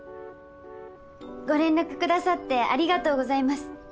ご連絡くださってありがとうございます。